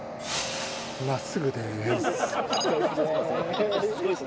真っすぐでーす。